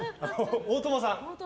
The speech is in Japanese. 大友さん。